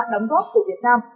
đóng góp của việt nam